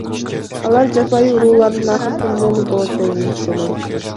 Алар жапайы уруулардын акыркы мууну болот деп үмүттөнөм.